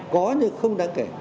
có thì không đáng kể